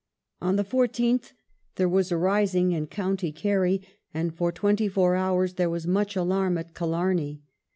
On the 14th there was a rising in County Kerry, and for twenty four hours there was much alarm at Killarney.